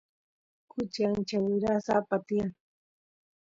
kuchi ancha wirasapa tiyan